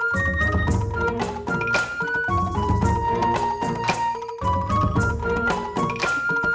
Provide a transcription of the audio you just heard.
bagaimana mengador korea